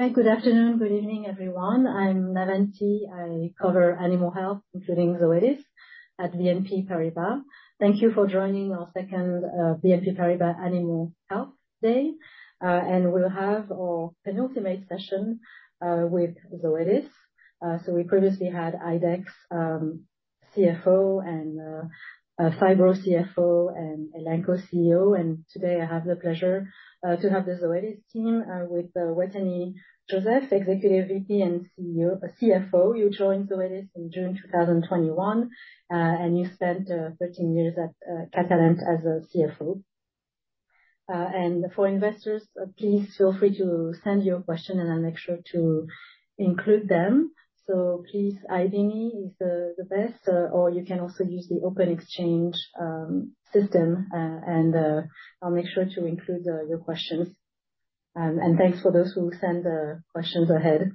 Hi, good afternoon, good evening, everyone. I'm Navann Ty. I cover animal health, including Zoetis at BNP Paribas. Thank you for joining our Second BNP Paribas Animal Health Day, and we'll have our penultimate session with Zoetis. We previously had IDEXX CFO and Phibro CFO and Elanco CEO, and today I have the pleasure to have the Zoetis team with Wetteny Joseph, Executive VP and CFO. You joined Zoetis in June 2021, and you spent 13 years at Catalent as a CFO. For investors, please feel free to send your questions, and I'll make sure to include them. Please, IDENY is the best, or you can also use the Open Exchange System, and I'll make sure to include your questions. Thanks for those who send questions ahead.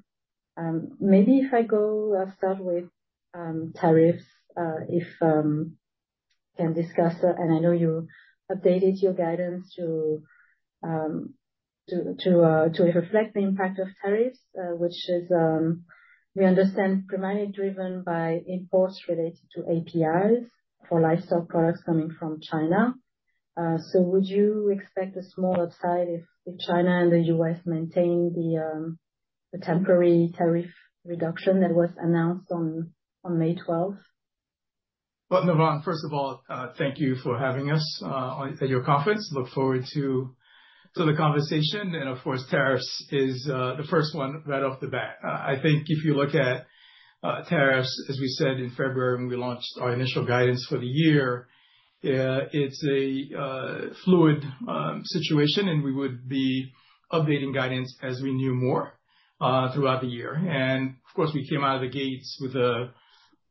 Maybe if I go start with tariffs, if we can discuss, and I know you updated your guidance to reflect the impact of tariffs, which is we understand primarily driven by imports related to APIs for livestock products coming from China. Would you expect a small upside if China and the U.S. maintain the temporary tariff reduction that was announced on May 12? Navann, first of all, thank you for having us at your conference. I look forward to the conversation. Of course, tariffs is the first one right off the bat. I think if you look at tariffs, as we said in February when we launched our initial guidance for the year, it's a fluid situation, and we would be updating guidance as we knew more throughout the year. We came out of the gates with a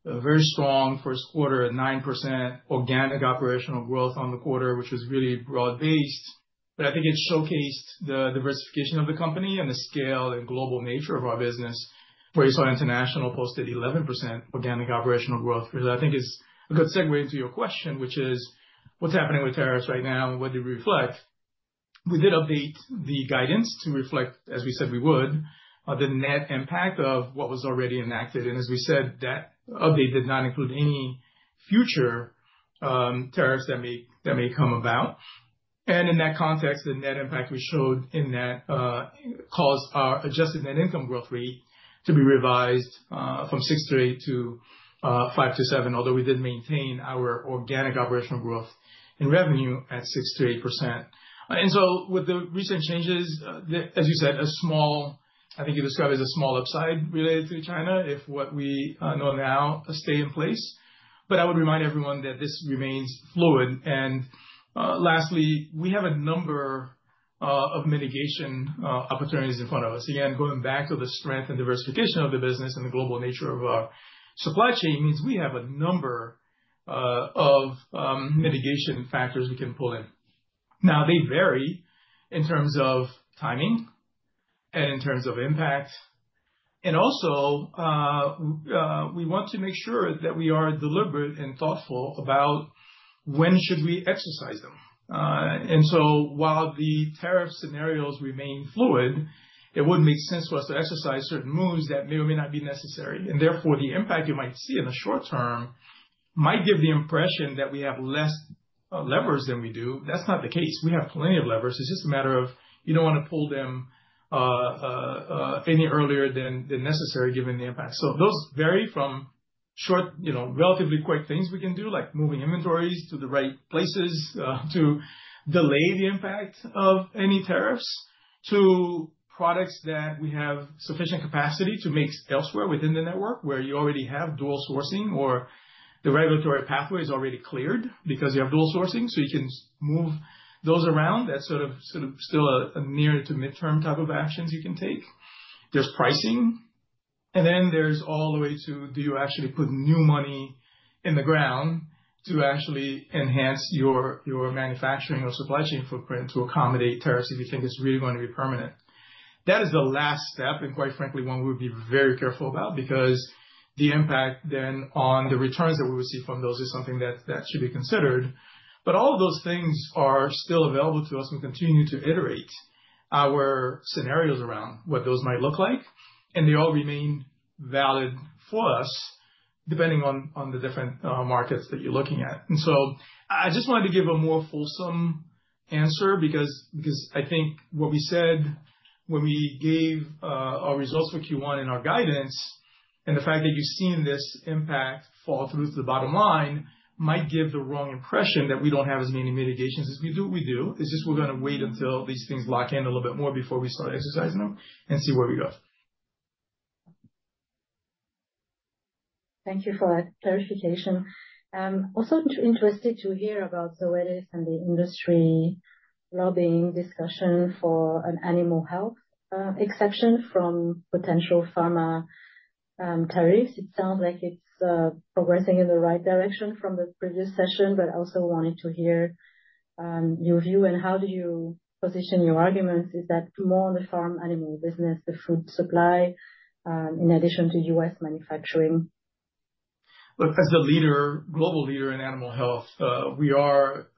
very strong first quarter, a 9% organic operational growth on the quarter, which was really broad-based. I think it showcased the diversification of the company and the scale and global nature of our business. For international, posted 11% organic operational growth. I think it's a good segue into your question, which is what's happening with tariffs right now and what do we reflect? We did update the guidance to reflect, as we said we would, the net impact of what was already enacted. As we said, that update did not include any future tariffs that may come about. In that context, the net impact we showed in that caused our adjusted net income growth rate to be revised from 6%-8% to 5%-7%, although we did maintain our organic operational growth and revenue at 6%-8%. With the recent changes, as you said, a small, I think you described as a small upside related to China if what we know now stay in place. I would remind everyone that this remains fluid. Lastly, we have a number of mitigation opportunities in front of us. Again, going back to the strength and diversification of the business and the global nature of our supply chain means we have a number of mitigation factors we can pull in. Now, they vary in terms of timing and in terms of impact. Also, we want to make sure that we are deliberate and thoughtful about when should we exercise them. While the tariff scenarios remain fluid, it would make sense for us to exercise certain moves that may or may not be necessary. Therefore, the impact you might see in the short term might give the impression that we have fewer levers than we do. That is not the case. We have plenty of levers. It is just a matter of you do not want to pull them any earlier than necessary given the impact. Those vary from relatively quick things we can do, like moving inventories to the right places to delay the impact of any tariffs, to products that we have sufficient capacity to make elsewhere within the network where you already have dual sourcing or the regulatory pathway is already cleared because you have dual sourcing, so you can move those around. That is still a near to midterm type of actions you can take. There is pricing, and then there is all the way to do you actually put new money in the ground to actually enhance your manufacturing or supply chain footprint to accommodate tariffs if you think it is really going to be permanent. That is the last step, and quite frankly, one we would be very careful about because the impact then on the returns that we receive from those is something that should be considered. All of those things are still available to us. We continue to iterate our scenarios around what those might look like, and they all remain valid for us depending on the different markets that you're looking at. I just wanted to give a more fulsome answer because I think what we said when we gave our results for Q1 in our guidance and the fact that you've seen this impact fall through to the bottom line might give the wrong impression that we do not have as many mitigations as we do. We do. It is just we are going to wait until these things lock in a little bit more before we start exercising them and see where we go. Thank you for that clarification. I'm also interested to hear about Zoetis and the industry lobbying discussion for an animal health exception from potential pharma tariffs. It sounds like it's progressing in the right direction from the previous session, but also wanted to hear your view and how do you position your arguments. Is that more on the farm animal business, the food supply, in addition to U.S. manufacturing? Look, as a leader, global leader in animal health, we are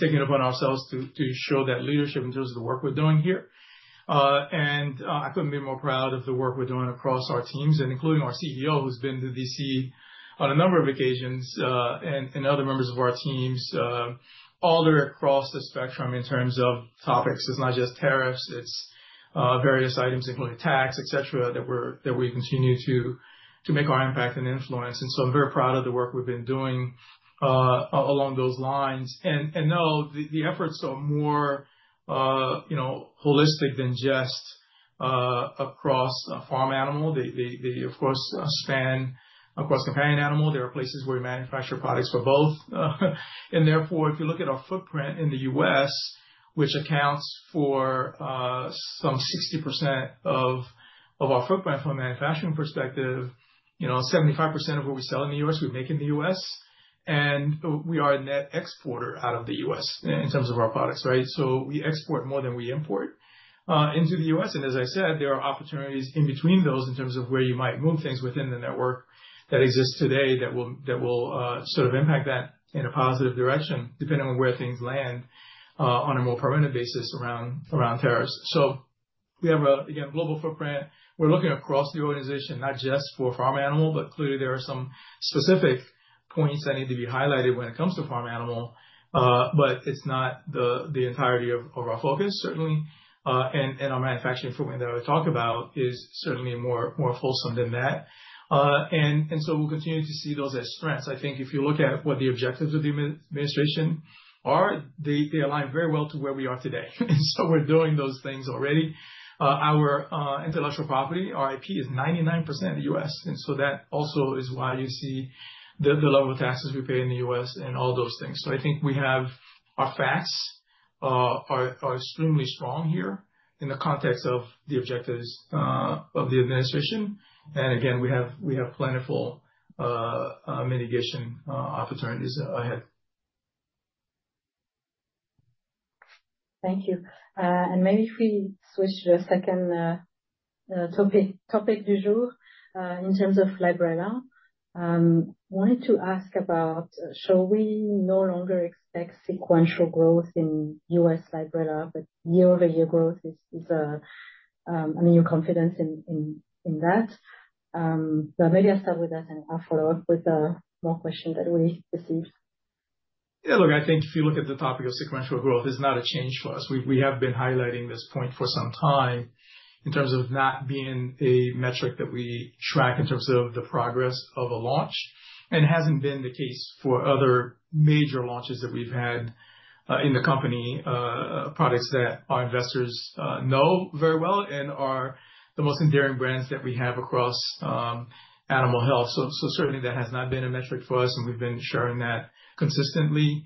taking it upon ourselves to show that leadership in terms of the work we're doing here. I couldn't be more proud of the work we're doing across our teams and including our CEO, who's been to D.C. on a number of occasions and other members of our teams all across the spectrum in terms of topics. It's not just tariffs. It's various items, including tax, et cetera, that we continue to make our impact and influence. I'm very proud of the work we've been doing along those lines. No, the efforts are more holistic than just across farm animal. They, of course, span across companion animal. There are places where we manufacture products for both. Therefore, if you look at our footprint in the U.S., which accounts for some 60% of our footprint from a manufacturing perspective, 75% of what we sell in the U.S., we make in the U.S., and we are a net exporter out of the U.S. in terms of our products, right? We export more than we import into the U.S. As I said, there are opportunities in between those in terms of where you might move things within the network that exists today that will sort of impact that in a positive direction depending on where things land on a more permanent basis around tariffs. We have a, again, global footprint. We're looking across the organization, not just for farm animal, but clearly there are some specific points that need to be highlighted when it comes to farm animal, but it's not the entirety of our focus, certainly. Our manufacturing footprint that I talked about is certainly more fulsome than that. We'll continue to see those as strengths. I think if you look at what the objectives of the administration are, they align very well to where we are today. We're doing those things already. Our intellectual property, our IP, is 99% in the U.S. That also is why you see the level of taxes we pay in the U.S. and all those things. I think we have our facts are extremely strong here in the context of the objectives of the administration. We have plentiful mitigation opportunities ahead. Thank you. Maybe if we switch to the second topic du jour in terms of Librela, I wanted to ask about, should we no longer expect sequential growth in U.S. Librela, but year-over-year growth is, I mean, your confidence in that? Maybe I'll start with that and I'll follow up with more questions that we received. Yeah, look, I think if you look at the topic of sequential growth, it's not a change for us. We have been highlighting this point for some time in terms of not being a metric that we track in terms of the progress of a launch. It hasn't been the case for other major launches that we've had in the company, products that our investors know very well and are the most enduring brands that we have across animal health. Certainly that has not been a metric for us, and we've been sharing that consistently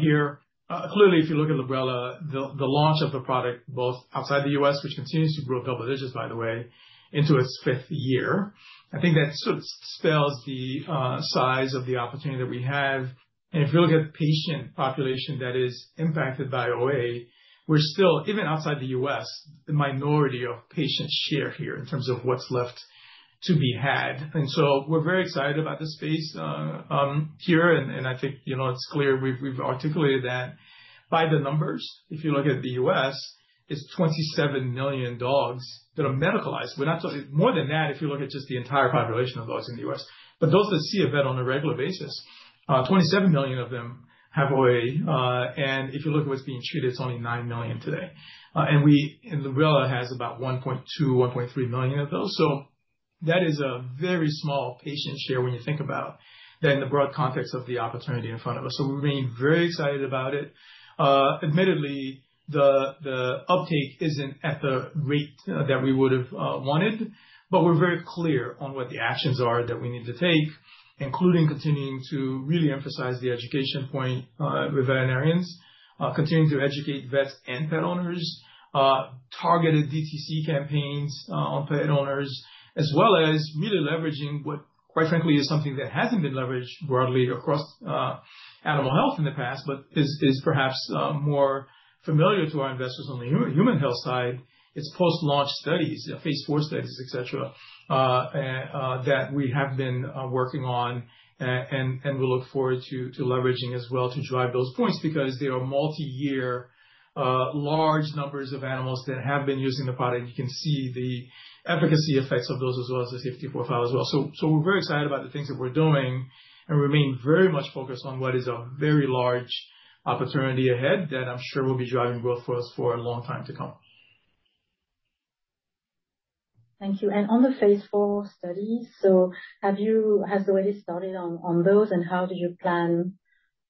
here. Clearly, if you look at Librela, the launch of the product, both outside the U.S., which continues to grow double digits, by the way, into its fifth year, I think that sort of spells the size of the opportunity that we have. If you look at patient population that is impacted by OA, we're still, even outside the U.S., the minority of patient share here in terms of what's left to be had. We're very excited about this space here. I think it's clear we've articulated that by the numbers. If you look at the U.S., it's 27 million dogs that are medicalized. We're not talking more than that if you look at just the entire population of dogs in the U.S., but those that see a vet on a regular basis, 27 million of them have OA. If you look at what's being treated, it's only 9 million today. Librela has about 1.2-1.3 million of those. That is a very small patient share when you think about that in the broad context of the opportunity in front of us. We remain very excited about it. Admittedly, the uptake isn't at the rate that we would have wanted, but we're very clear on what the actions are that we need to take, including continuing to really emphasize the education point with veterinarians, continuing to educate vets and pet owners, targeted DTC campaigns on pet owners, as well as really leveraging what, quite frankly, is something that hasn't been leveraged broadly across animal health in the past, but is perhaps more familiar to our investors on the human health side. It's post-launch studies, Phase IV studies, et cetera, that we have been working on and we look forward to leveraging as well to drive those points because there are multi-year, large numbers of animals that have been using the product. You can see the efficacy effects of those as well as the safety profile as well. We're very excited about the things that we're doing and remain very much focused on what is a very large opportunity ahead that I'm sure will be driving growth for us for a long time to come. Thank you. On the Phase IV studies, have you, has Zoetis started on those and how do you plan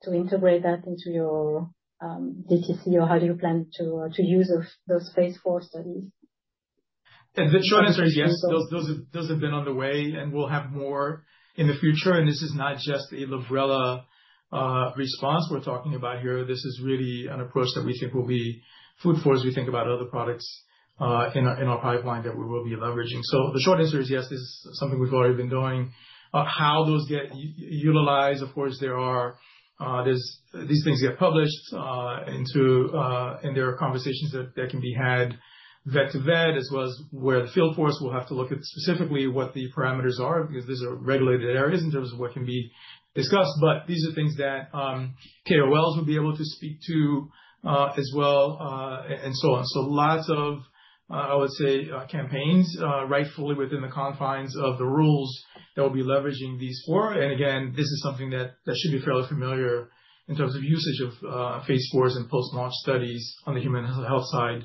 to integrate that into your DTC or how do you plan to use those phase four studies? The short answer is yes. Those have been on the way and we'll have more in the future. This is not just a Librela response we're talking about here. This is really an approach that we think will be good for us. We think about other products in our pipeline that we will be leveraging. The short answer is yes, this is something we've already been doing. How those get utilized, of course, as these things get published and there are conversations that can be had vet to vet, as well as where the field force will have to look at specifically what the parameters are because these are regulated areas in terms of what can be discussed. These are things that KOLs will be able to speak to as well and so on. Lots of, I would say, campaigns rightfully within the confines of the rules that will be leveraging these for. Again, this is something that should be fairly familiar in terms of usage of Phase IVs and post-launch studies on the human health side.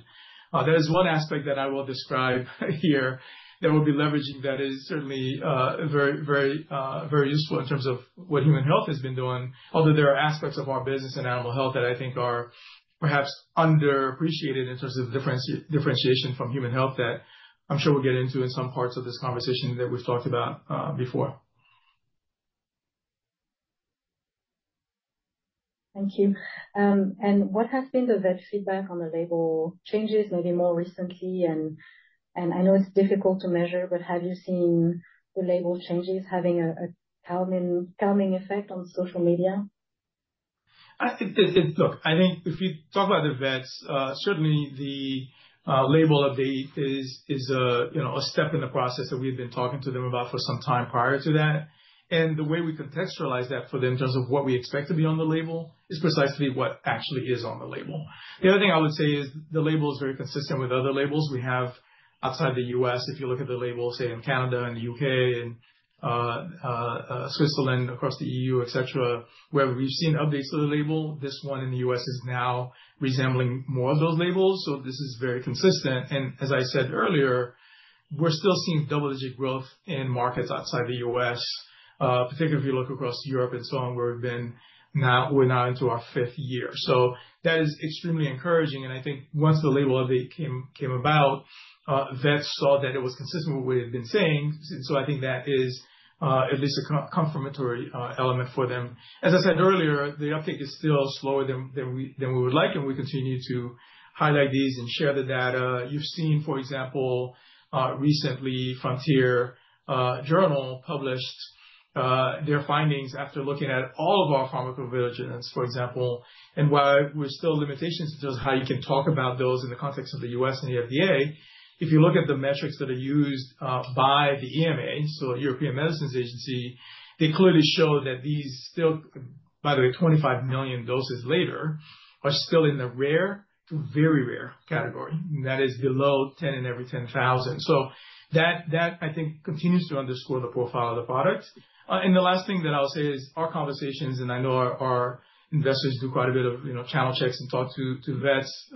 There is one aspect that I will describe here that we'll be leveraging that is certainly very useful in terms of what human health has been doing, although there are aspects of our business and animal health that I think are perhaps underappreciated in terms of differentiation from human health that I'm sure we'll get into in some parts of this conversation that we've talked about before. Thank you. What has been the vet feedback on the label changes maybe more recently? I know it's difficult to measure, but have you seen the label changes having a calming effect on social media? I think that, look, I think if you talk about the vets, certainly the label update is a step in the process that we've been talking to them about for some time prior to that. The way we contextualize that for them in terms of what we expect to be on the label is precisely what actually is on the label. The other thing I would say is the label is very consistent with other labels we have outside the U.S. If you look at the label, say in Canada, in the U.K., in Switzerland, across the EU, et cetera, where we've seen updates to the label, this one in the U.S. is now resembling more of those labels. This is very consistent. As I said earlier, we're still seeing double-digit growth in markets outside the U.S., particularly if you look across Europe and so on, where we've been now, we're now into our fifth year. That is extremely encouraging. I think once the label update came about, vets saw that it was consistent with what we had been saying. I think that is at least a confirmatory element for them. As I said earlier, the uptake is still slower than we would like, and we continue to highlight these and share the data. You've seen, for example, recently Frontier Journal published their findings after looking at all of our pharmacovigilance, for example, and why we're still limitations in terms of how you can talk about those in the context of the U.S. and the FDA. If you look at the metrics that are used by the EMA, so European Medicines Agency, they clearly show that these still, by the way, 25 million doses later, are still in the rare to very rare category. That is below 10 in every 10,000. That, I think, continues to underscore the profile of the product. The last thing that I'll say is our conversations, and I know our investors do quite a bit of channel checks and talk to vets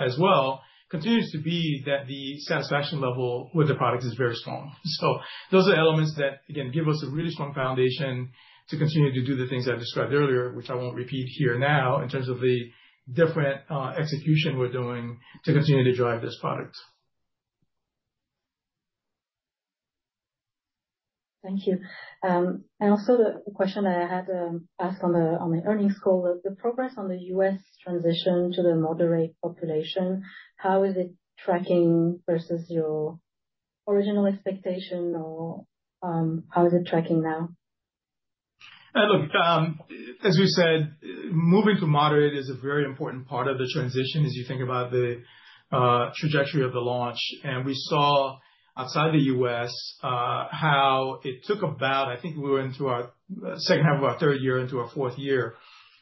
as well, continues to be that the satisfaction level with the products is very strong. Those are elements that, again, give us a really strong foundation to continue to do the things I've described earlier, which I won't repeat here now in terms of the different execution we're doing to continue to drive this product. Thank you. Also, the question I had asked on the earnings call, the progress on the U.S. transition to the moderate population, how is it tracking versus your original expectation, or how is it tracking now? Look, as we said, moving to moderate is a very important part of the transition as you think about the trajectory of the launch. We saw outside the U.S. how it took about, I think we were into our second half of our third year, into our fourth year,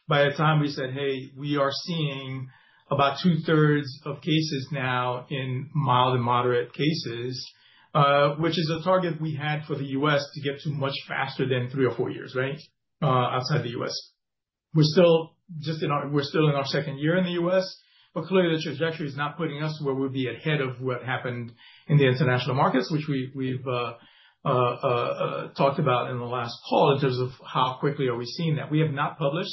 by the time we said, hey, we are seeing about two-thirds of cases now in mild and moderate cases, which is a target we had for the U.S. to get to much faster than three or four years, right, outside the U.S. We're still just in our, we're still in our second year in the U.S., but clearly the trajectory is not putting us where we'd be ahead of what happened in the international markets, which we've talked about in the last call in terms of how quickly are we seeing that. We have not published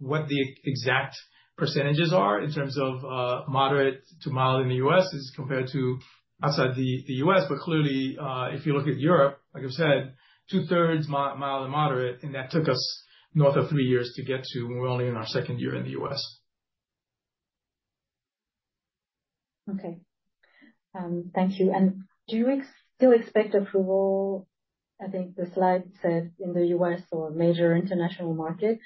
what the exact percentages are in terms of moderate to mild in the U.S. as compared to outside the U.S. Clearly, if you look at Europe, like I've said, two-thirds mild and moderate, and that took us north of three years to get to, and we're only in our second year in the U.S. Okay. Thank you. Do you still expect approval? I think the slide said in the U.S. or major international market.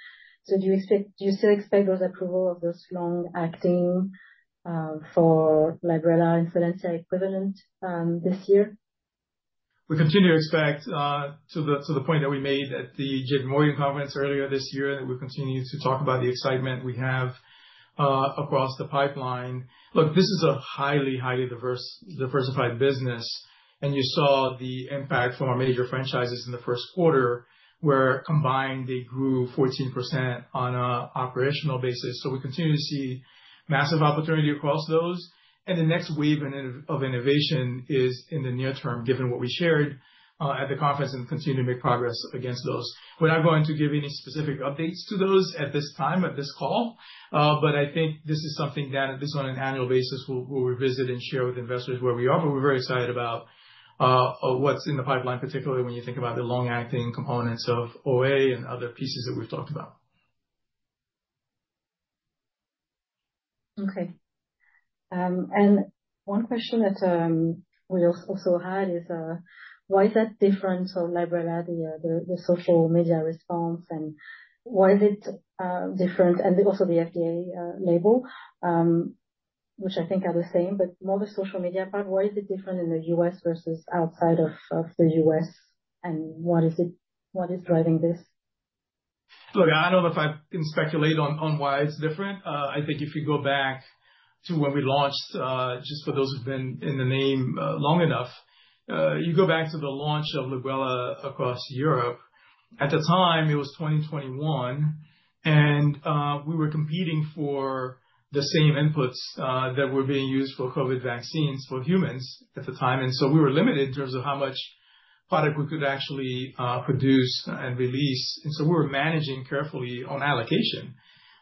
Do you still expect those approvals of those long-acting for Librela and Solensia equivalent this year? We continue to expect, to the point that we made at the JPMorgan conference earlier this year, that we'll continue to talk about the excitement we have across the pipeline. Look, this is a highly, highly diversified business. You saw the impact from our major franchises in the first quarter, where combined they grew 14% on an operational basis. We continue to see massive opportunity across those. The next wave of innovation is in the near term, given what we shared at the conference and continue to make progress against those. We're not going to give any specific updates to those at this time at this call, but I think this is something that at least on an annual basis, we'll revisit and share with investors where we are. We're very excited about what's in the pipeline, particularly when you think about the long-acting components of OA and other pieces that we've talked about. Okay. One question that we also had is, why is that different for Librela, the social media response, and why is it different? Also, the FDA label, which I think are the same, but more the social media part, why is it different in the U.S. versus outside of the U.S.? What is driving this? Look, I don't know if I can speculate on why it's different. I think if you go back to when we launched, just for those who've been in the name long enough, you go back to the launch of Librela across Europe. At the time, it was 2021, and we were competing for the same inputs that were being used for COVID vaccines for humans at the time. We were limited in terms of how much product we could actually produce and release. We were managing carefully on allocation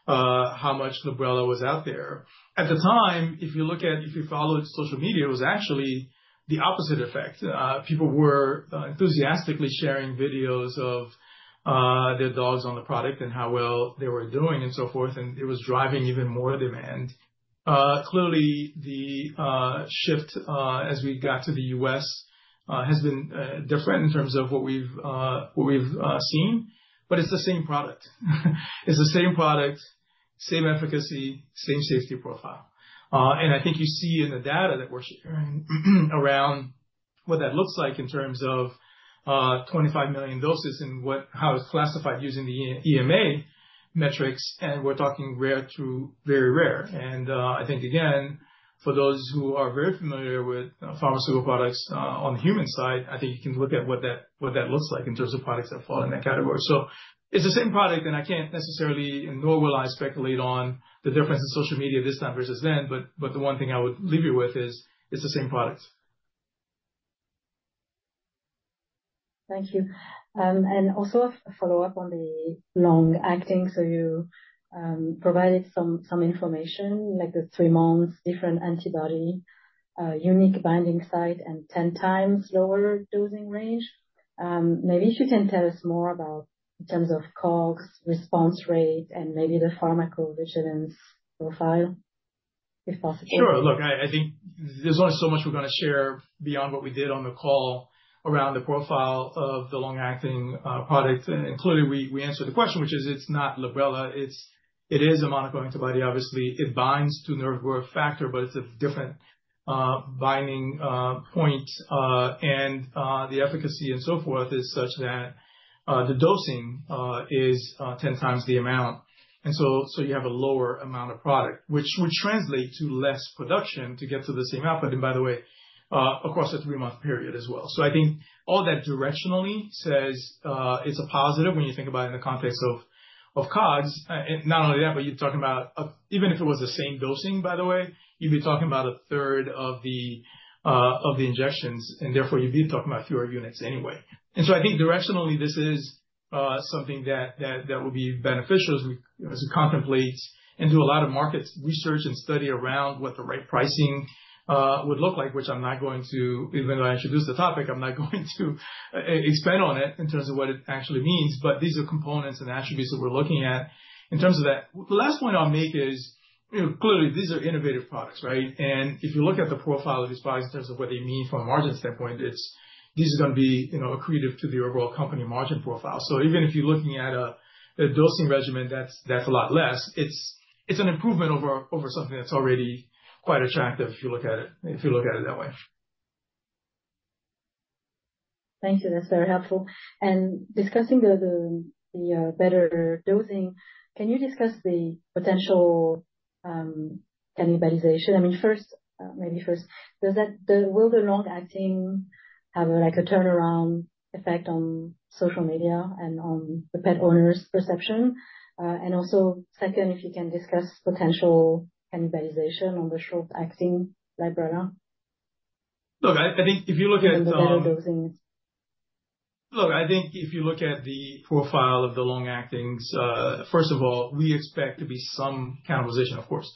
how much Librela was out there. At the time, if you look at, if you followed social media, it was actually the opposite effect. People were enthusiastically sharing videos of their dogs on the product and how well they were doing and so forth. It was driving even more demand. Clearly, the shift as we got to the U.S. has been different in terms of what we've seen, but it's the same product. It's the same product, same efficacy, same safety profile. I think you see in the data that we're sharing around what that looks like in terms of 25 million doses and how it's classified using the EMA metrics. We're talking rare to very rare. I think, again, for those who are very familiar with pharmaceutical products on the human side, I think you can look at what that looks like in terms of products that fall in that category. It's the same product, and I can't necessarily speculate on the difference in social media this time versus then. The one thing I would leave you with is it's the same product. Thank you. Also, a follow-up on the long-acting. You provided some information, like the three months, different antibody, unique binding site, and 10x lower dosing range. Maybe if you can tell us more about, in terms of COGS, response rate, and maybe the pharmacovigilance profile, if possible. Sure. Look, I think there's only so much we're going to share beyond what we did on the call around the profile of the long-acting product. Clearly, we answered the question, which is it's not Librela. It is a monoclonal antibody. Obviously, it binds to nerve growth factor, but it's a different binding point. The efficacy and so forth is such that the dosing is 10x the amount. You have a lower amount of product, which would translate to less production to get to the same output, by the way, across a three-month period as well. I think all that directionally says it's a positive when you think about it in the context of COGS. Not only that, but you're talking about, even if it was the same dosing, by the way, you'd be talking about a third of the injections. You'd be talking about fewer units anyway. I think directionally, this is something that would be beneficial as we contemplate and do a lot of market research and study around what the right pricing would look like, which I'm not going to, even though I introduced the topic, I'm not going to expand on it in terms of what it actually means. These are components and attributes that we're looking at in terms of that. The last point I'll make is clearly these are innovative products, right? If you look at the profile of these products in terms of what they mean from a margin standpoint, these are going to be accretive to the overall company margin profile. Even if you're looking at a dosing regimen, that's a lot less. It's an improvement over something that's already quite attractive if you look at it that way. Thank you. That's very helpful. Discussing the better dosing, can you discuss the potential cannibalization? I mean, first, maybe first, will the long-acting have a turnaround effect on social media and on the pet owners' perception? Also, second, if you can discuss potential cannibalization on the short-acting Librela. Look, I think if you look at. The better dosing. Look, I think if you look at the profile of the long-actings, first of all, we expect to be some cannibalization, of course.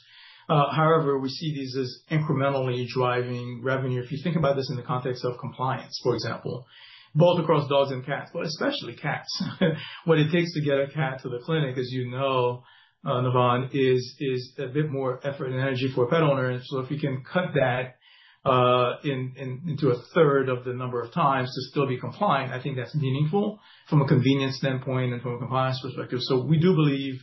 However, we see these as incrementally driving revenue. If you think about this in the context of compliance, for example, both across dogs and cats, but especially cats, what it takes to get a cat to the clinic, as you know, Navann, is a bit more effort and energy for a pet owner. If we can cut that into a third of the number of times to still be compliant, I think that's meaningful from a convenience standpoint and from a compliance perspective. We do believe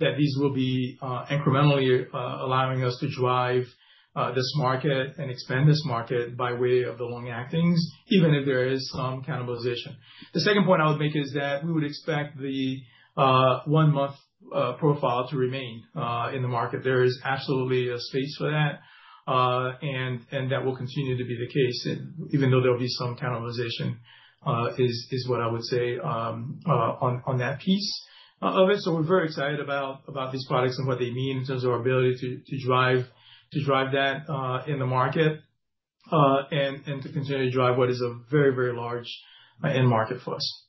that these will be incrementally allowing us to drive this market and expand this market by way of the long-actings, even if there is some cannibalization. The second point I would make is that we would expect the one-month profile to remain in the market. There is absolutely a space for that, and that will continue to be the case, even though there'll be some cannibalization is what I would say on that piece of it. We are very excited about these products and what they mean in terms of our ability to drive that in the market and to continue to drive what is a very, very large end market for us.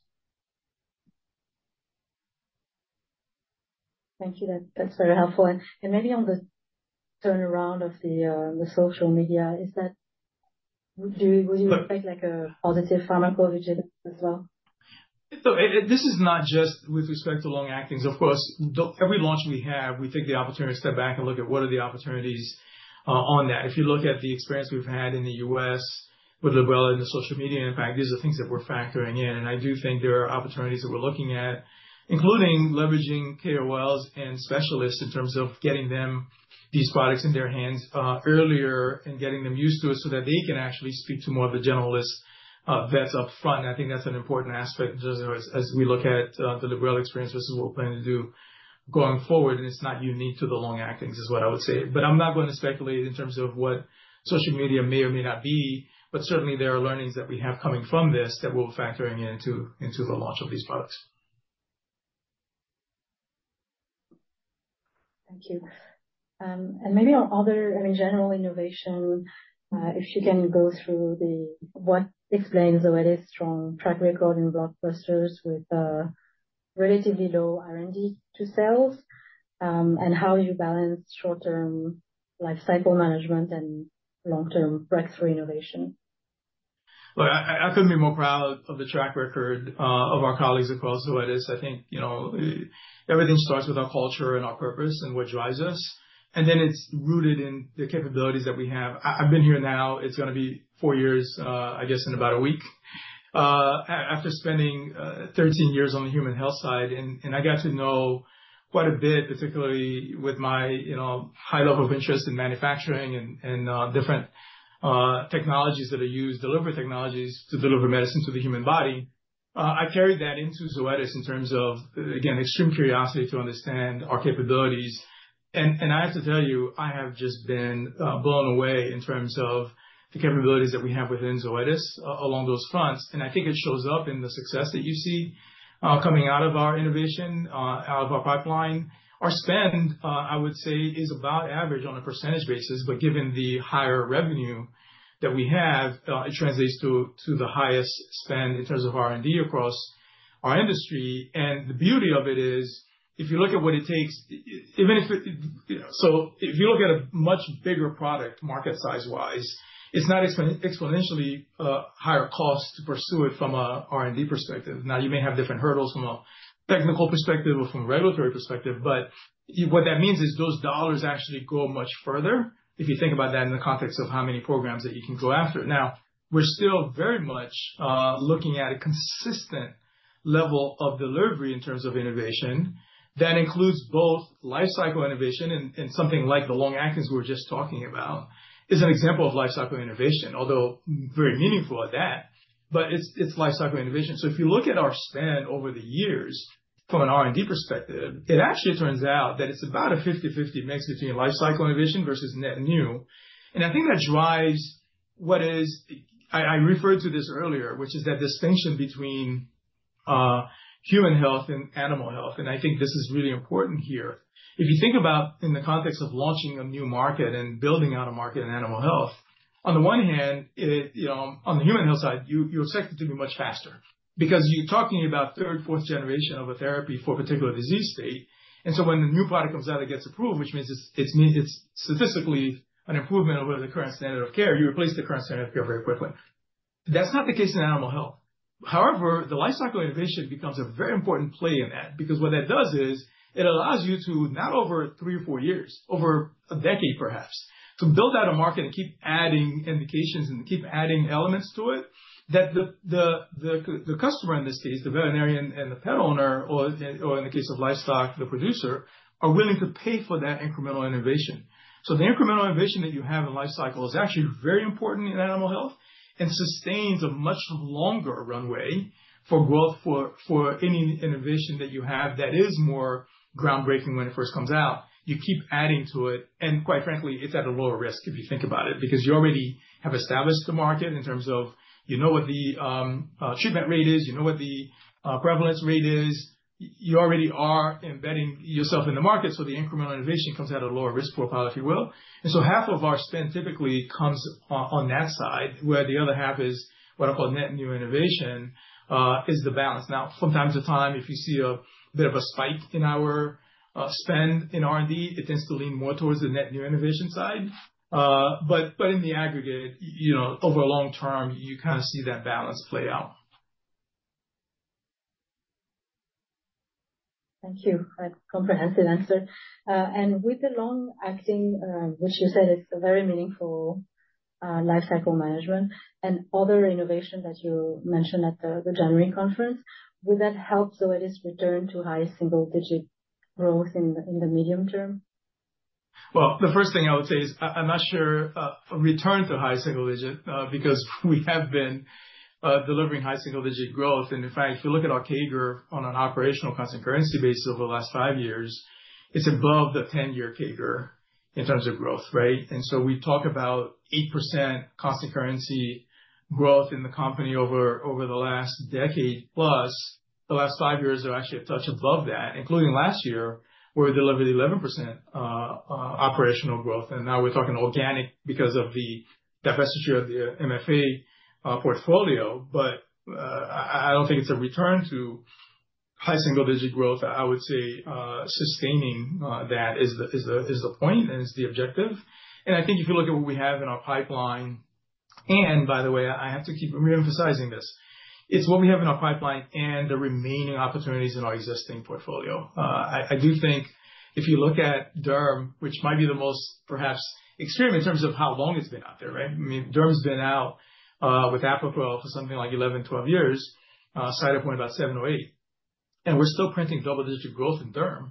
Thank you. That's very helpful. Maybe on the turnaround of the social media, would you expect a positive pharmacovigilance as well? This is not just with respect to long-actings. Of course, every launch we have, we take the opportunity to step back and look at what are the opportunities on that. If you look at the experience we've had in the U.S. with Librela and the social media impact, these are things that we're factoring in. I do think there are opportunities that we're looking at, including leveraging KOLs and specialists in terms of getting them these products in their hands earlier and getting them used to it so that they can actually speak to more of the generalist vets upfront. I think that's an important aspect as we look at the Librela experience versus what we're planning to do going forward. It's not unique to the long-actings is what I would say. I'm not going to speculate in terms of what social media may or may not be, but certainly there are learnings that we have coming from this that we'll be factoring into the launch of these products. Thank you. Maybe on other, I mean, general innovation, if you can go through what explains the way this strong track record in blockbusters with relatively low R&D to sales and how you balance short-term lifecycle management and long-term breakthrough innovation. Look, I could not be more proud of the track record of our colleagues across the way this. I think everything starts with our culture and our purpose and what drives us. It is rooted in the capabilities that we have. I have been here now, it is going to be four years, I guess, in about a week after spending 13 years on the human health side. I got to know quite a bit, particularly with my high level of interest in manufacturing and different technologies that are used, delivery technologies to deliver medicine to the human body. I carried that into Zoetis in terms of, again, extreme curiosity to understand our capabilities. I have to tell you, I have just been blown away in terms of the capabilities that we have within Zoetis along those fronts. I think it shows up in the success that you see coming out of our innovation, out of our pipeline. Our spend, I would say, is about average on a percentage basis, but given the higher revenue that we have, it translates to the highest spend in terms of R&D across our industry. The beauty of it is if you look at what it takes, even if it, so if you look at a much bigger product market size-wise, it is not exponentially higher cost to pursue it from an R&D perspective. Now, you may have different hurdles from a technical perspective or from a regulatory perspective, but what that means is those dollars actually go much further if you think about that in the context of how many programs that you can go after. Now, we're still very much looking at a consistent level of delivery in terms of innovation that includes both lifecycle innovation and something like the long-actings we were just talking about is an example of lifecycle innovation, although very meaningful at that, but it's lifecycle innovation. If you look at our spend over the years from an R&D perspective, it actually turns out that it's about a 50/50 mix between lifecycle innovation versus net new. I think that drives what is I referred to this earlier, which is that distinction between human health and animal health. I think this is really important here. If you think about in the context of launching a new market and building out a market in animal health, on the one hand, on the human health side, you expect it to be much faster because you're talking about third, fourth generation of a therapy for a particular disease state. When a new product comes out that gets approved, which means it's statistically an improvement over the current standard of care, you replace the current standard of care very quickly. That's not the case in animal health. However, the lifecycle innovation becomes a very important play in that because what that does is it allows you to, not over three or four years, over a decade perhaps, to build out a market and keep adding indications and keep adding elements to it that the customer in this case, the veterinarian and the pet owner, or in the case of livestock, the producer, are willing to pay for that incremental innovation. The incremental innovation that you have in lifecycle is actually very important in animal health and sustains a much longer runway for growth for any innovation that you have that is more groundbreaking when it first comes out. You keep adding to it. Quite frankly, it's at a lower risk if you think about it because you already have established the market in terms of you know what the treatment rate is, you know what the prevalence rate is. You already are embedding yourself in the market. The incremental innovation comes out of a lower risk profile, if you will. Half of our spend typically comes on that side, where the other half is what I call net new innovation is the balance. From time to time, if you see a bit of a spike in our spend in R&D, it tends to lean more towards the net new innovation side. In the aggregate, over a long term, you kind of see that balance play out. Thank you. That's a comprehensive answer. With the long-acting, which you said is very meaningful lifecycle management and other innovation that you mentioned at the January conference, would that help Zoetis return to high single-digit growth in the medium term? The first thing I would say is I'm not sure return to high single-digit because we have been delivering high single-digit growth. In fact, if you look at our CAGR on an operational constant currency base over the last five years, it's above the 10-year CAGR in terms of growth, right? We talk about 8% constant currency growth in the company over the last decade plus. The last five years are actually a touch above that, including last year, where we delivered 11% operational growth. Now we're talking organic because of the divestiture of the MFA portfolio. I don't think it's a return to high single-digit growth. I would say sustaining that is the point and is the objective. I think if you look at what we have in our pipeline, and by the way, I have to keep reemphasizing this, it's what we have in our pipeline and the remaining opportunities in our existing portfolio. I do think if you look at derm, which might be the most perhaps extreme in terms of how long it's been out there, right? I mean, derm's been out with Apoquel for something like 11, 12 years, Cytopoint about 7, 8. We're still printing double-digit growth in derm.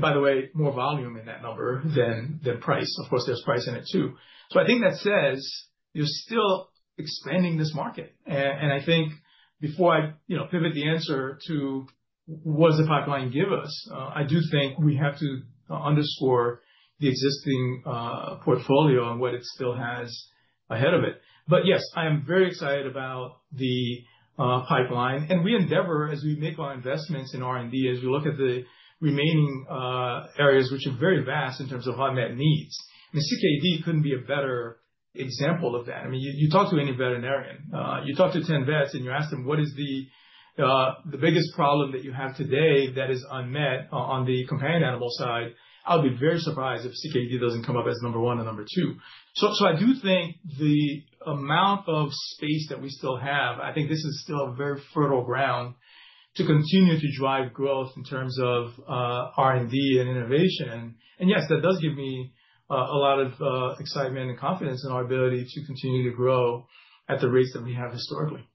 By the way, more volume in that number than price. Of course, there's price in it too. I think that says you're still expanding this market. I think before I pivot the answer to what does the pipeline give us, I do think we have to underscore the existing portfolio and what it still has ahead of it. Yes, I am very excited about the pipeline. We endeavor as we make our investments in R&D, as we look at the remaining areas, which are very vast in terms of unmet needs. I mean, CKD could not be a better example of that. I mean, you talk to any veterinarian, you talk to 10 vets, and you ask them, "What is the biggest problem that you have today that is unmet on the companion animal side?" I will be very surprised if CKD does not come up as number one or number two. I do think the amount of space that we still have, I think this is still very fertile ground to continue to drive growth in terms of R&D and innovation. Yes, that does give me a lot of excitement and confidence in our ability to continue to grow at the rates that we have historically.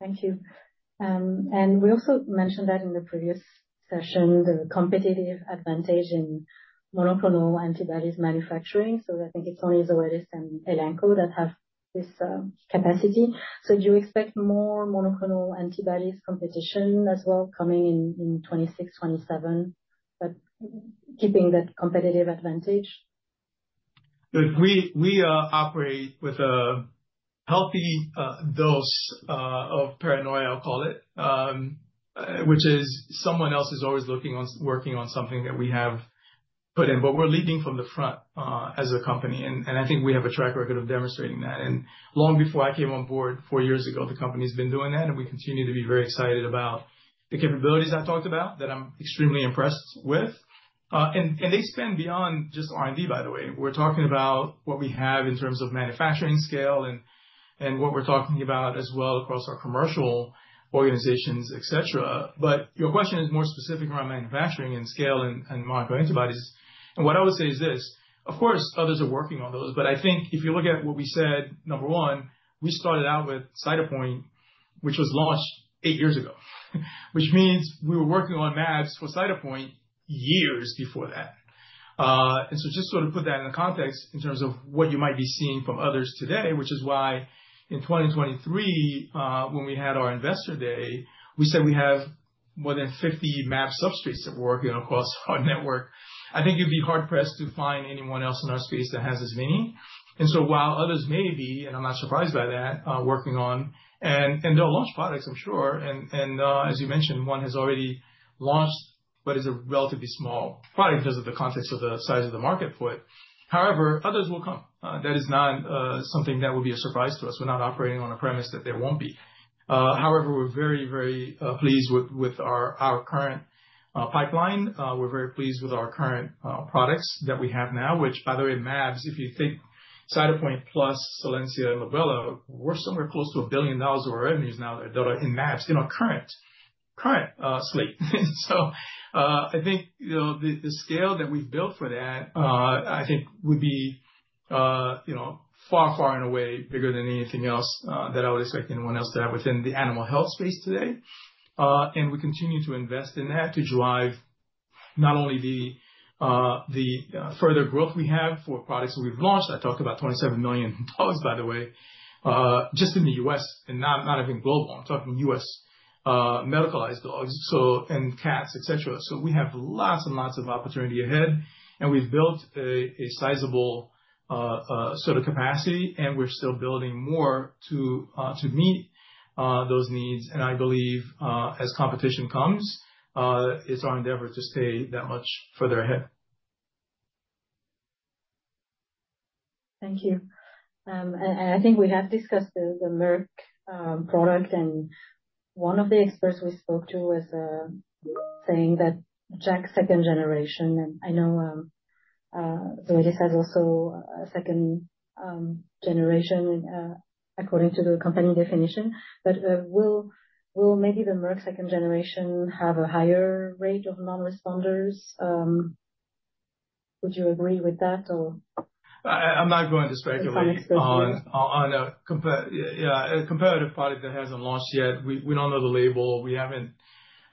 Thank you. We also mentioned that in the previous session, the competitive advantage in monoclonal antibodies manufacturing. I think it's only Zoetis and Elanco that have this capacity. Do you expect more monoclonal antibodies competition as well coming in 2026, 2027, but keeping that competitive advantage? Look, we operate with a healthy dose of paranoia, I'll call it, which is someone else is always looking on working on something that we have put in, but we're leading from the front as a company. I think we have a track record of demonstrating that. Long before I came on board four years ago, the company has been doing that. We continue to be very excited about the capabilities I talked about that I'm extremely impressed with. They span beyond just R&D, by the way. We're talking about what we have in terms of manufacturing scale and what we're talking about as well across our commercial organizations, etc. Your question is more specific around manufacturing and scale and monoclonal antibodies. What I would say is this. Of course, others are working on those, but I think if you look at what we said, number one, we started out with Cytopoint, which was launched eight years ago, which means we were working on mAbs for Cytopoint years before that. Just sort of put that in the context in terms of what you might be seeing from others today, which is why in 2023, when we had our investor day, we said we have more than 50 mAbs substrates that we're working on across our network. I think you'd be hard-pressed to find anyone else in our space that has as many. While others may be, and I'm not surprised by that, working on, and they'll launch products, I'm sure. As you mentioned, one has already launched, but it is a relatively small product because of the context of the size of the market for it. However, others will come. That is not something that would be a surprise to us. We are not operating on a premise that there will not be. However, we are very, very pleased with our current pipeline. We are very pleased with our current products that we have now, which, by the way, mAbs, if you think Cytopoint plus Solensia and Librela, we are somewhere close to $1 billion of our revenues now that are in mAbs in our current slate. I think the scale that we have built for that, I think would be far, far and away bigger than anything else that I would expect anyone else to have within the animal health space today. We continue to invest in that to drive not only the further growth we have for products that we've launched. I talked about $27 million, by the way, just in the U.S. and not even global. I'm talking U.S. medicalized dogs and cats, etc. We have lots and lots of opportunity ahead. We've built a sizable sort of capacity, and we're still building more to meet those needs. I believe as competition comes, it's our endeavor to stay that much further ahead. Thank you. I think we have discussed the Merck product. One of the experts we spoke to was saying that JAK's second generation, and I know Zoetis has also a second generation according to the company definition, but will maybe the Merck second generation have a higher rate of non-responders? Would you agree with that or? I'm not going to speculate on a comparative product that hasn't launched yet. We don't know the label.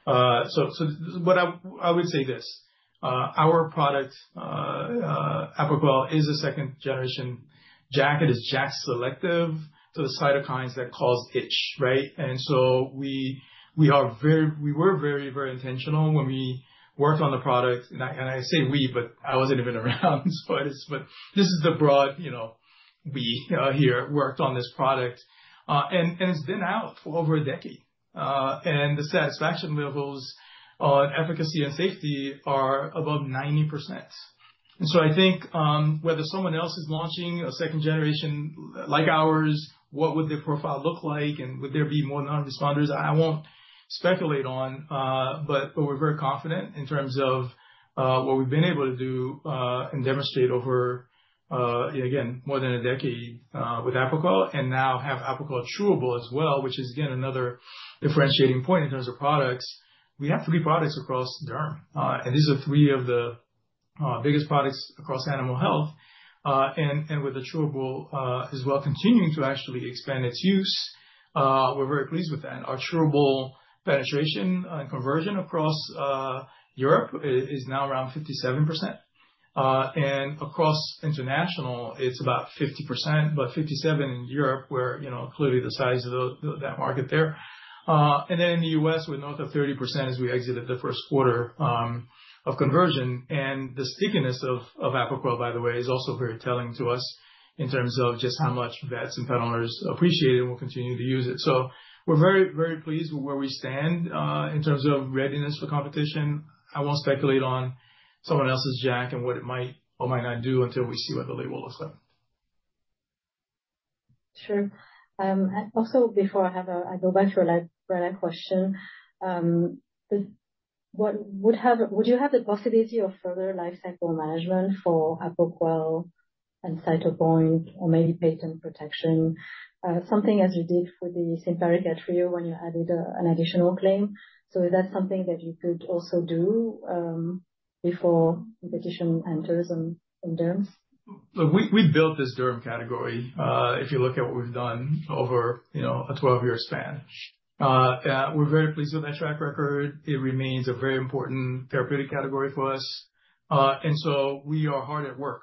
I would say this. Our product, Apoquel, is a second generation. JAK is JAK selective to the cytokines that cause itch, right? We were very, very intentional when we worked on the product. I say we, but I wasn't even around. This is the broad we here worked on this product. It's been out for over a decade. The satisfaction levels on efficacy and safety are above 90%. I think whether someone else is launching a second generation like ours, what would their profile look like? Would there be more non-responders? I won't speculate on, but we're very confident in terms of what we've been able to do and demonstrate over, again, more than a decade with Apoquel and now have Apoquel Chewable as well, which is again another differentiating point in terms of products. We have three products across derm. And these are three of the biggest products across animal health. And with the chewable as well, continuing to actually expand its use, we're very pleased with that. Our chewable penetration and conversion across Europe is now around 57%. And across international, it's about 50%, but 57% in Europe, where clearly the size of that market there. And then in the U.S., we're north of 30% as we exited the first quarter of conversion. The stickiness of Apoquel, by the way, is also very telling to us in terms of just how much vets and pet owners appreciate it and will continue to use it. We are very, very pleased with where we stand in terms of readiness for competition. I will not speculate on someone else's JAK and what it might or might not do until we see what the label looks like. Sure. Also, before I go back to a question, would you have the possibility of further lifecycle management for Apoquel and Cytopoint or maybe patent protection, something as you did for the Simparica Trio when you added an additional claim? Is that something that you could also do before competition enters in derms? We built this derm category if you look at what we've done over a 12-year span. We're very pleased with that track record. It remains a very important therapeutic category for us. We are hard at work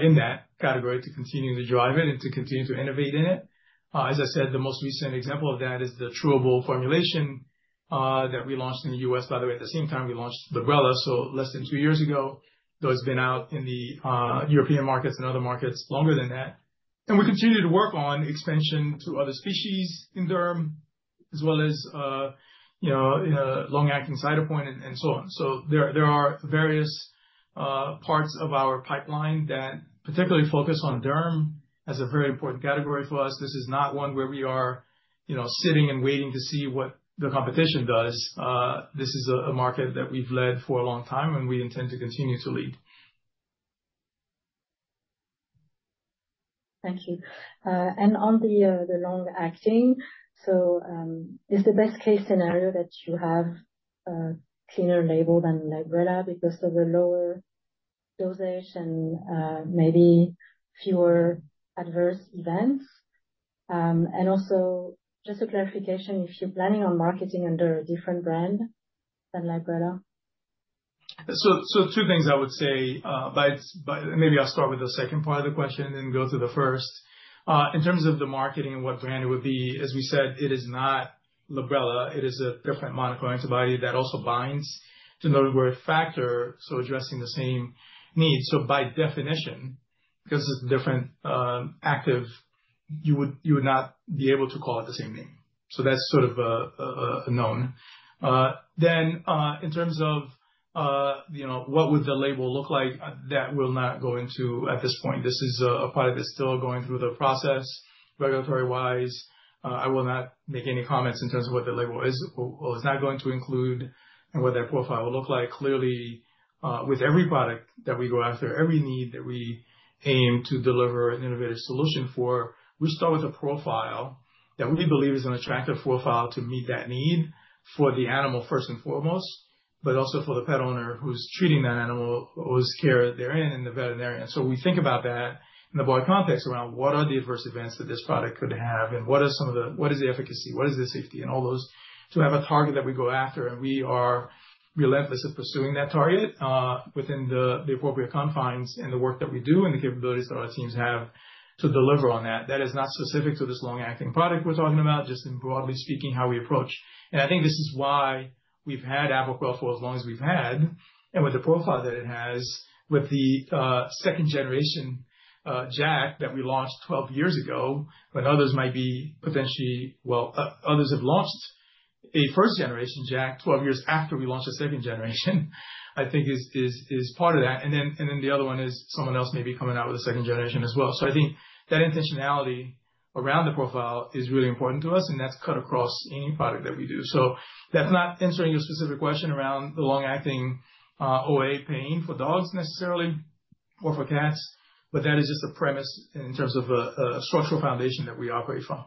in that category to continue to drive it and to continue to innovate in it. As I said, the most recent example of that is the chewable formulation that we launched in the U.S. By the way, at the same time, we launched Librela, so less than two years ago. Though it's been out in the European markets and other markets longer than that. We continue to work on expansion to other species in derm, as well as long-acting Cytopoint and so on. There are various parts of our pipeline that particularly focus on derm as a very important category for us. This is not one where we are sitting and waiting to see what the competition does. This is a market that we've led for a long time and we intend to continue to lead. Thank you. On the long-acting, is the best-case scenario that you have a cleaner label than Librela because of the lower dosage and maybe fewer adverse events? Also, just a clarification, if you're planning on marketing under a different brand than Librela? Two things I would say, but maybe I'll start with the second part of the question and then go to the first. In terms of the marketing and what brand it would be, as we said, it is not Librela. It is a different monoclonal antibody that also binds to the known growth factor, so addressing the same needs. By definition, because it's a different active, you would not be able to call it the same name. That's sort of a known. In terms of what would the label look like, that will not go into at this point. This is a product that's still going through the process regulatory-wise. I will not make any comments in terms of what the label is or is not going to include and what that profile will look like. Clearly, with every product that we go after, every need that we aim to deliver an innovative solution for, we start with a profile that we believe is an attractive profile to meet that need for the animal first and foremost, but also for the pet owner who's treating that animal or his care therein and the veterinarian. We think about that in the broad context around what are the adverse events that this product could have and what is the efficacy, what is the safety, and all those to have a target that we go after. We are relentless in pursuing that target within the appropriate confines and the work that we do and the capabilities that our teams have to deliver on that. That is not specific to this long-acting product we're talking about, just in broadly speaking how we approach. I think this is why we've had Apoquel for as long as we've had, and with the profile that it has, with the second generation JAK that we launched 12 years ago, when others might be potentially, well, others have launched a first generation JAK 12 years after we launched a second generation, I think is part of that. The other one is someone else may be coming out with a second generation as well. I think that intentionality around the profile is really important to us, and that's cut across any product that we do. That's not answering your specific question around the long-acting OA pain for dogs necessarily or for cats, but that is just a premise in terms of a structural foundation that we operate from.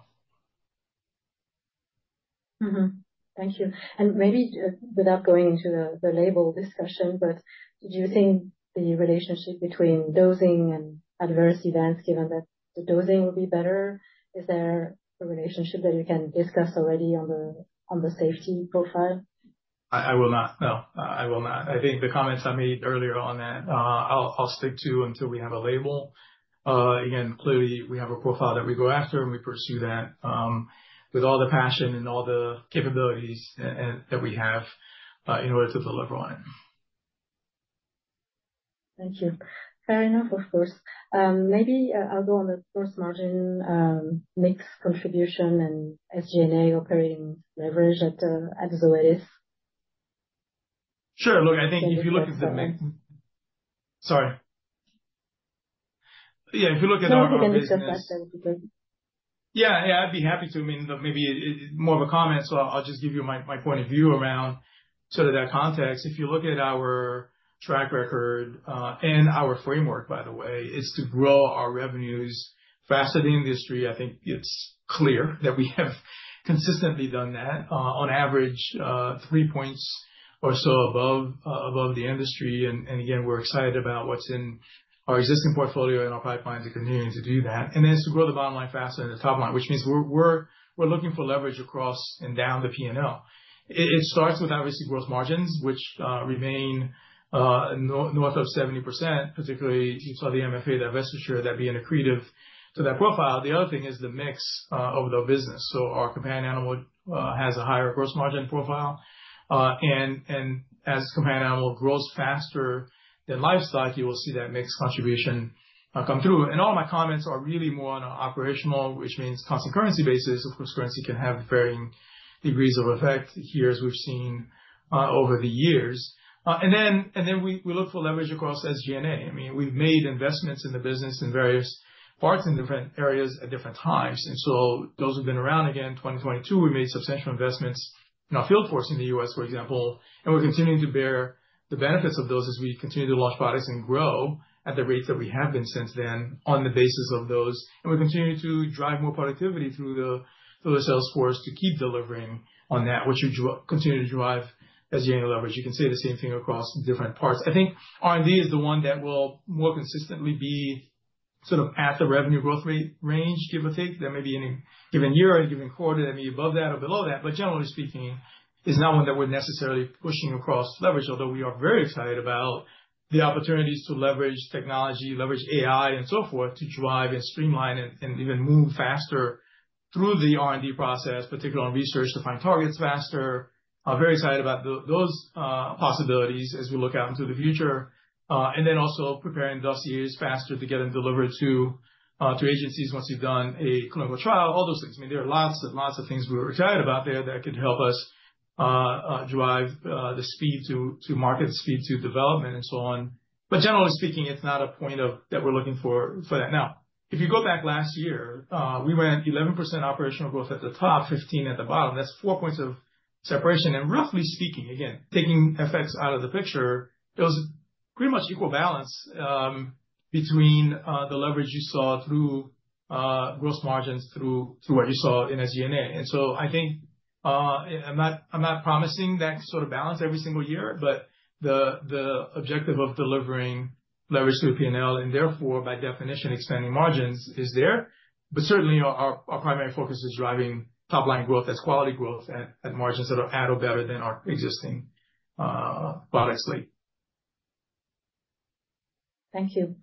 Thank you. Maybe without going into the label discussion, do you think the relationship between dosing and adverse events, given that the dosing will be better, is there a relationship that you can discuss already on the safety profile? I will not, no. I will not. I think the comments I made earlier on that, I'll stick to until we have a label. Again, clearly, we have a profile that we go after, and we pursue that with all the passion and all the capabilities that we have in order to deliver on it. Thank you. Fair enough, of course. Maybe I'll go on the first margin mix contribution and SG&A operating leverage at Zoetis. Sure. Look, I think if you look at the mix. Sorry. Yeah, if you look at our. If you look at the. Yeah, yeah, I'd be happy to. I mean, maybe more of a comment, so I'll just give you my point of view around sort of that context. If you look at our track record and our framework, by the way, it's to grow our revenues faster than the industry. I think it's clear that we have consistently done that, on average, three points or so above the industry. Again, we're excited about what's in our existing portfolio and our pipeline to continue to do that. Then it's to grow the bottom line faster than the top line, which means we're looking for leverage across and down the P&L. It starts with, obviously, gross margins, which remain north of 70%, particularly you saw the MFA divestiture, that being accretive to that profile. The other thing is the mix of the business. Our companion animal has a higher gross margin profile. As companion animal grows faster than livestock, you will see that mix contribution come through. All my comments are really more on an operational, which means constant currency basis. Of course, currency can have varying degrees of effect here as we have seen over the years. We look for leverage across SG&A. I mean, we have made investments in the business in various parts in different areas at different times. Those have been around. Again, in 2022, we made substantial investments in our field force in the US, for example. We are continuing to bear the benefits of those as we continue to launch products and grow at the rates that we have been since then on the basis of those. We're continuing to drive more productivity through the sales force to keep delivering on that, which we continue to drive as you leverage. You can say the same thing across different parts. I think R&D is the one that will more consistently be sort of at the revenue growth rate range, give or take. There may be in a given year or a given quarter that may be above that or below that. Generally speaking, it's not one that we're necessarily pushing across leverage, although we are very excited about the opportunities to leverage technology, leverage AI, and so forth to drive and streamline and even move faster through the R&D process, particularly on research to find targets faster. Very excited about those possibilities as we look out into the future. Also preparing dossiers faster to get them delivered to agencies once you've done a clinical trial, all those things. I mean, there are lots and lots of things we're excited about there that could help us drive the speed to market, the speed to development, and so on. Generally speaking, it's not a point that we're looking for now. If you go back last year, we went 11% operational growth at the top, 15% at the bottom. That's four percentage points of separation. Roughly speaking, again, taking effects out of the picture, it was pretty much equal balance between the leverage you saw through gross margins and what you saw in SG&A. I think I'm not promising that sort of balance every single year, but the objective of delivering leverage through P&L and therefore, by definition, expanding margins is there. Certainly, our primary focus is driving top-line growth. That's quality growth at margins that are at or better than our existing products late. Thank you.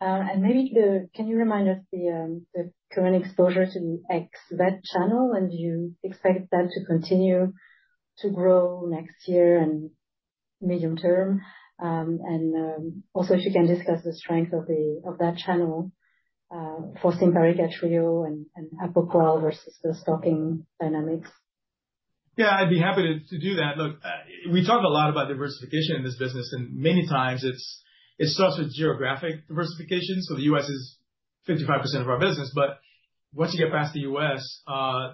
Maybe can you remind us the current exposure to the ex-vet channel and do you expect that to continue to grow next year and medium term? Also, if you can discuss the strength of that channel for Simparica Trio and Apoquel versus the stocking dynamics. Yeah, I'd be happy to do that. Look, we talk a lot about diversification in this business, and many times it starts with geographic diversification. The U.S. is 55% of our business, but once you get past the U.S.,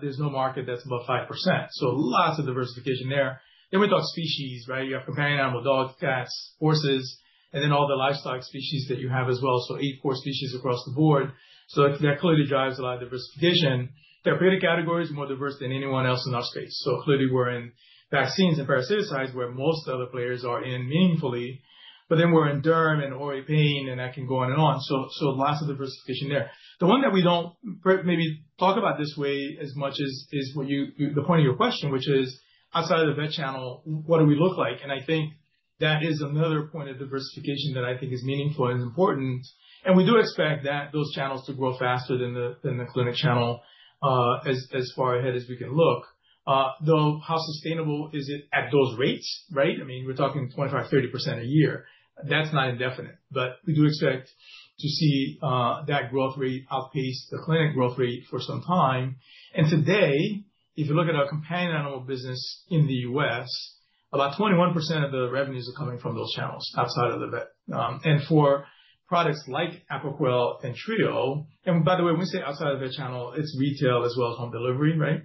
there's no market that's above 5%. Lots of diversification there. Then we talk species, right? You have companion animal, dogs, cats, horses, and then all the livestock species that you have as well. Eight core species across the board. That clearly drives a lot of diversification. Therapeutic category is more diverse than anyone else in our space. Clearly, we're in vaccines and parasiticides where most other players are in meaningfully. Then we're in derm and OA pain, and that can go on and on. Lots of diversification there. The one that we do not maybe talk about this way as much is the point of your question, which is outside of the vet channel, what do we look like? I think that is another point of diversification that I think is meaningful and important. We do expect those channels to grow faster than the clinic channel as far ahead as we can look. Though how sustainable is it at those rates, right? I mean, we are talking 25%-30% a year. That is not indefinite, but we do expect to see that growth rate outpace the clinic growth rate for some time. Today, if you look at our companion animal business in the U.S., about 21% of the revenues are coming from those channels outside of the vet. For products like Apoquel and Simparica Trio, and by the way, when we say outside of the vet channel, it is retail as well as home delivery, right?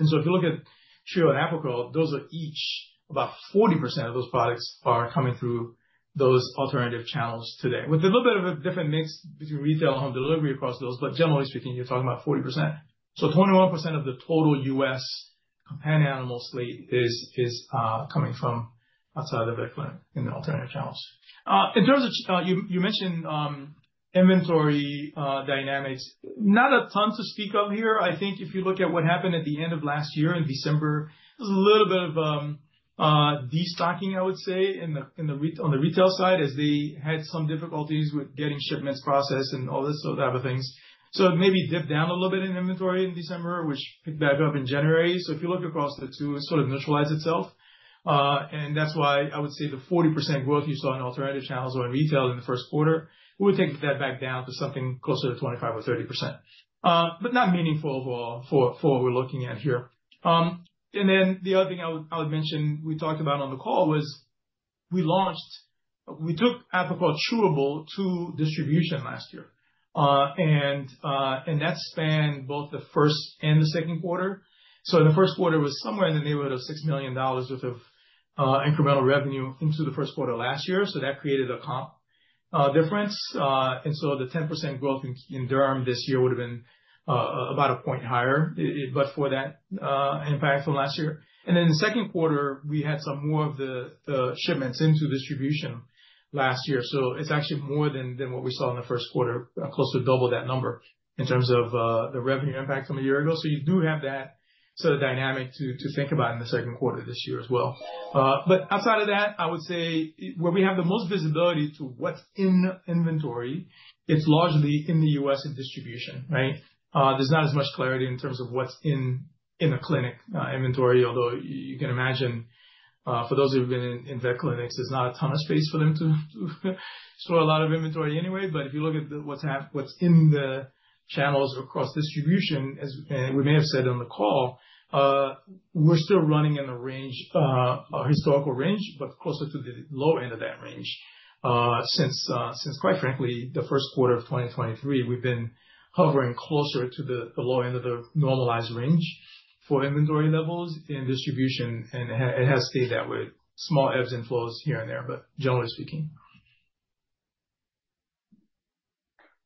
If you look at Simparica Trio and Apoquel, those are each about 40% of those products coming through those alternative channels today. With a little bit of a different mix between retail and home delivery across those, but generally speaking, you are talking about 40%. 21% of the total U.S. companion animal slate is coming from outside of the vet clinic in the alternative channels. In terms of, you mentioned inventory dynamics, not a ton to speak of here. I think if you look at what happened at the end of last year in December, there was a little bit of destocking, I would say, on the retail side as they had some difficulties with getting shipments processed and all those sort of other things. It maybe dipped down a little bit in inventory in December, which picked back up in January. If you look across the two, it sort of neutralized itself. That is why I would say the 40% growth you saw in alternative channels or in retail in the first quarter, we would take that back down to something closer to 25% or 30%, but not meaningful overall for what we're looking at here. The other thing I would mention we talked about on the call was we launched, we took Apoquel Chewable to distribution last year. That spanned both the first and the second quarter. The first quarter was somewhere in the neighborhood of $6 million worth of incremental revenue into the first quarter last year. That created a comp difference. The 10% growth in derm this year would have been about a point higher, but for that impact from last year. In the second quarter, we had some more of the shipments into distribution last year. It is actually more than what we saw in the first quarter, close to double that number in terms of the revenue impact from a year ago. You do have that sort of dynamic to think about in the second quarter this year as well. Outside of that, I would say where we have the most visibility to what is in inventory, it is largely in the U.S. and distribution, right? There's not as much clarity in terms of what's in a clinic inventory, although you can imagine for those who have been in vet clinics, there's not a ton of space for them to store a lot of inventory anyway. If you look at what's in the channels across distribution, as we may have said on the call, we're still running in the range, our historical range, but closer to the low end of that range. Since, quite frankly, the first quarter of 2023, we've been hovering closer to the low end of the normalized range for inventory levels in distribution, and it has stayed that way, small ebbs and flows here and there, but generally speaking.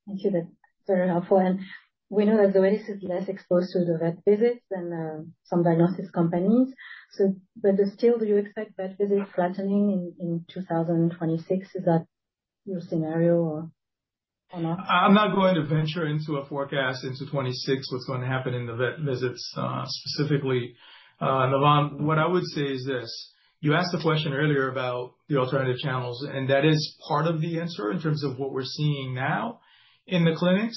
Thank you. That's very helpful. We know that Zoetis is less exposed to the vet visits than some diagnostic companies. Still, do you expect vet visits flattening in 2026? Is that your scenario or not? I'm not going to venture into a forecast into 2026, what's going to happen in the vet visits specifically. Navann, what I would say is this. You asked the question earlier about the alternative channels, and that is part of the answer in terms of what we're seeing now in the clinics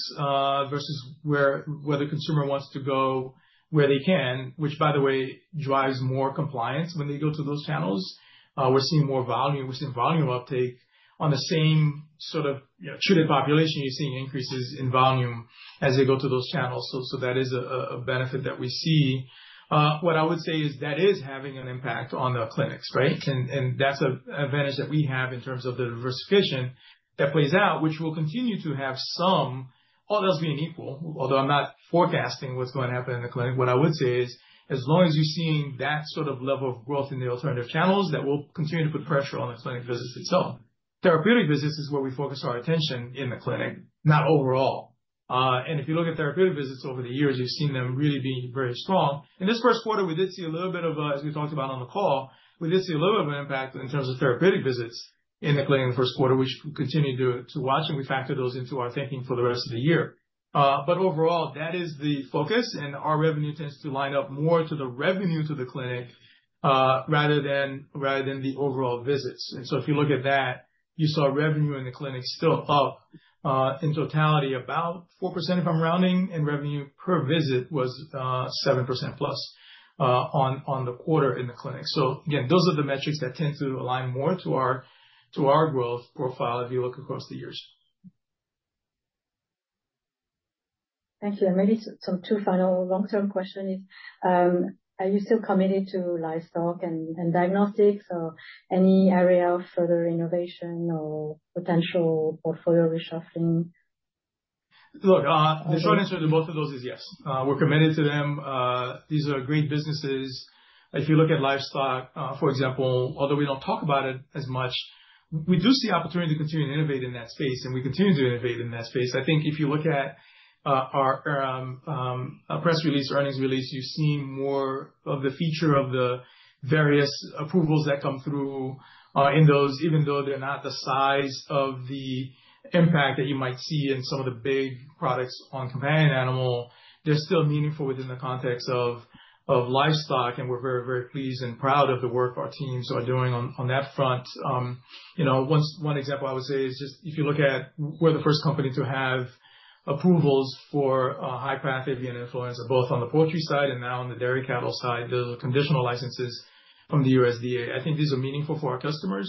versus where the consumer wants to go where they can, which, by the way, drives more compliance when they go to those channels. We're seeing more volume. We're seeing volume uptake. On the same sort of treated population, you're seeing increases in volume as they go to those channels. That is a benefit that we see. What I would say is that is having an impact on the clinics, right? That's an advantage that we have in terms of the diversification that plays out, which will continue to have some, all else being equal, although I'm not forecasting what's going to happen in the clinic. What I would say is, as long as you're seeing that sort of level of growth in the alternative channels, that will continue to put pressure on the clinic visits itself. Therapeutic visits is where we focus our attention in the clinic, not overall. And if you look at therapeutic visits over the years, you've seen them really being very strong. In this first quarter, we did see a little bit of, as we talked about on the call, we did see a little bit of an impact in terms of therapeutic visits in the clinic in the first quarter, which we continue to watch, and we factor those into our thinking for the rest of the year. Overall, that is the focus, and our revenue tends to line up more to the revenue to the clinic rather than the overall visits. If you look at that, you saw revenue in the clinic still up in totality about 4%, if I'm rounding, and revenue per visit was 7% plus on the quarter in the clinic. Again, those are the metrics that tend to align more to our growth profile if you look across the years. Thank you. Maybe two final long-term questions. Are you still committed to livestock and diagnostics, or any area of further innovation or potential portfolio reshuffling? Look, the short answer to both of those is yes. We're committed to them. These are great businesses. If you look at livestock, for example, although we don't talk about it as much, we do see opportunity to continue to innovate in that space, and we continue to innovate in that space. I think if you look at our press release, earnings release, you've seen more of the feature of the various approvals that come through in those, even though they're not the size of the impact that you might see in some of the big products on companion animal, they're still meaningful within the context of livestock, and we're very, very pleased and proud of the work our teams are doing on that front. One example I would say is just if you look at we're the first company to have approvals for high path avian influenza, both on the poultry side and now on the dairy cattle side, those are conditional licenses from the USDA. I think these are meaningful for our customers,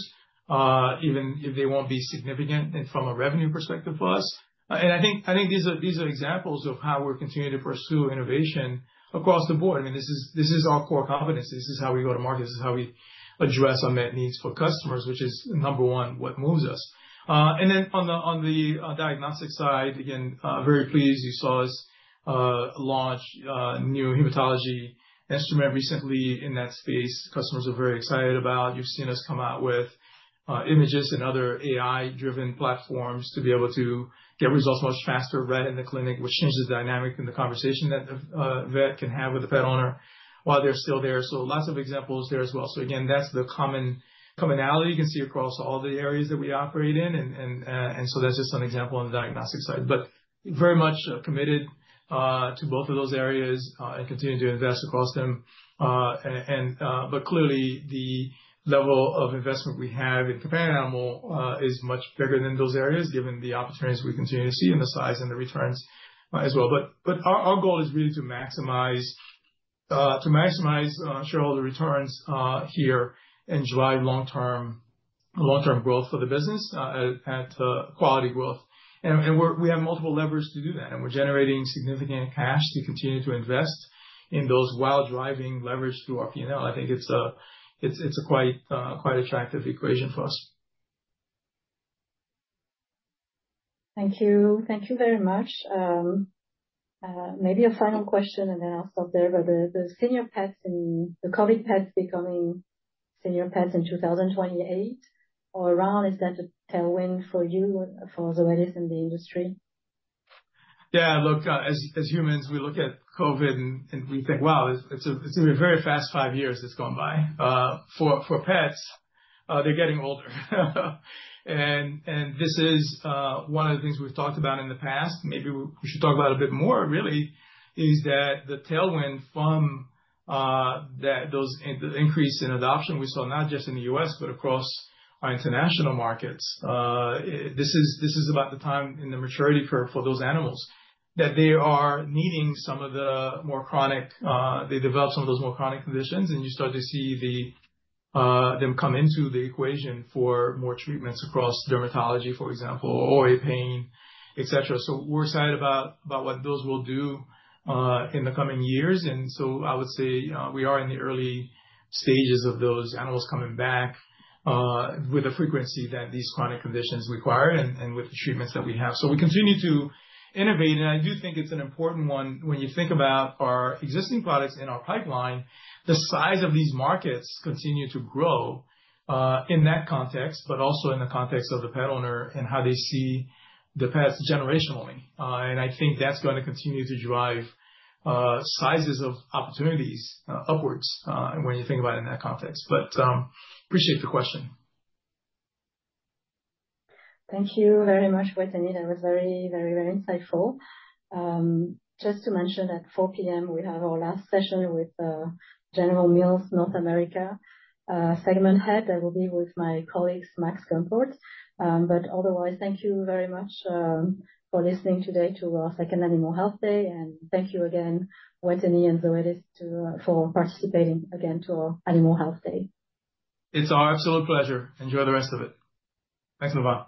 even if they won't be significant from a revenue perspective for us. I think these are examples of how we're continuing to pursue innovation across the board. I mean, this is our core competency. This is how we go to market. This is how we address unmet needs for customers, which is number one, what moves us. On the diagnostic side, again, very pleased. You saw us launch a new hematology instrument recently in that space. Customers are very excited about. You've seen us come out with images and other AI-driven platforms to be able to get results much faster right in the clinic, which changes the dynamic in the conversation that a vet can have with a pet owner while they're still there. Lots of examples there as well. Again, that's the commonality you can see across all the areas that we operate in. That's just an example on the diagnostic side. Very much committed to both of those areas and continue to invest across them. Clearly, the level of investment we have in companion animal is much bigger than those areas, given the opportunities we continue to see and the size and the returns as well. Our goal is really to maximize shareholder returns here and drive long-term growth for the business at quality growth. We have multiple levers to do that, and we're generating significant cash to continue to invest in those while driving leverage through our P&L. I think it's a quite attractive equation for us. Thank you. Thank you very much. Maybe a final question, and then I'll stop there. But the senior pets and the COVID pets becoming senior pets in 2028 or around, is that a tailwind for you, for Zoetis in the industry? Yeah. Look, as humans, we look at COVID and we think, wow, it's going to be a very fast five years that's gone by. For pets, they're getting older. This is one of the things we've talked about in the past. Maybe we should talk about it a bit more, really, is that the tailwind from those increase in adoption we saw, not just in the U.S., but across our international markets. This is about the time in the maturity curve for those animals that they are needing some of the more chronic, they develop some of those more chronic conditions, and you start to see them come into the equation for more treatments across dermatology, for example, or pain, etc. We are excited about what those will do in the coming years. I would say we are in the early stages of those animals coming back with the frequency that these chronic conditions require and with the treatments that we have. We continue to innovate. I do think it's an important one when you think about our existing products in our pipeline, the size of these markets continue to grow in that context, but also in the context of the pet owner and how they see the pets generationally. I think that's going to continue to drive sizes of opportunities upwards when you think about it in that context. Appreciate the question. Thank you very much, Wetteny. That was very, very insightful. Just to mention at 4:00 P.M., we have our last session with General Mills North America Segment Head. I will be with my colleagues, Max Gumport. Otherwise, thank you very much for listening today to our second Animal Health Day. Thank you again, Wetteny and Zoetis, for participating again to our Animal Health Day. It's our absolute pleasure. Enjoy the rest of it. Thanks, Navann.